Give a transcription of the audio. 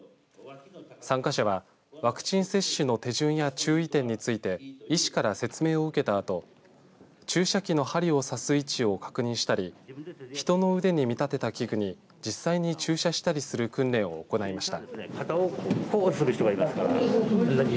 参加者はワクチン接種の手順や注意点について医師から説明を受けたあと注射器の針を刺す位置を確認したり人の腕に見立てた器具に実際に注射したりする訓練を行いました。